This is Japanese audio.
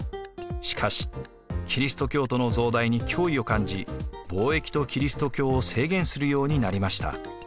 しかしキリスト教徒の増大に脅威を感じ貿易とキリスト教を制限するようになりました。